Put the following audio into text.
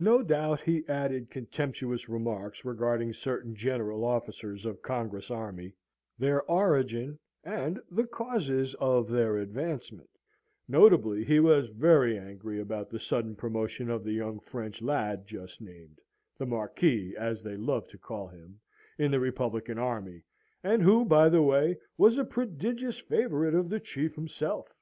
No doubt he added contemptuous remarks regarding certain General Officers of Congress army, their origin, and the causes of their advancement: notably he was very angry about the sudden promotion of the young French lad just named the Marquis, as they loved to call him in the Republican army, and who, by the way, was a prodigious favourite of the Chief himself.